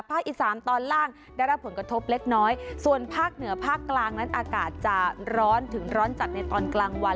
อีสานตอนล่างได้รับผลกระทบเล็กน้อยส่วนภาคเหนือภาคกลางนั้นอากาศจะร้อนถึงร้อนจัดในตอนกลางวัน